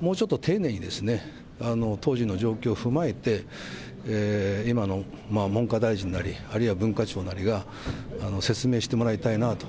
もうちょっと丁寧にですね、当時の状況踏まえて、今の文科大臣なり、あるいは文化庁なりが、説明してもらいたいなと。